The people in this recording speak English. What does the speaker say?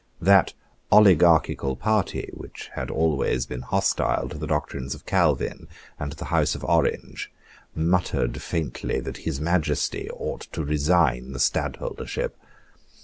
That oligarchical party, which had always been hostile to the doctrines of Calvin and to the House of Orange, muttered faintly that His Majesty ought to resign the Stadtholdership.